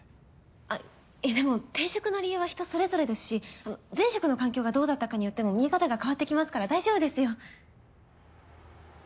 あっいやでも転職の理由は人それぞれですしあの前職の環境がどうだったかによっても見え方が変わってきますから大丈夫ですよ。